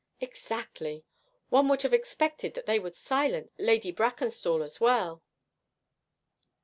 'Exactly. One would have expected that they would silence Lady Brackenstall as well.'